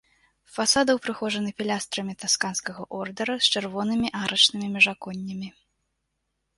Фасады ўпрыгожаны пілястрамі тасканскага ордара з чырвонымі арачнымі міжаконнямі.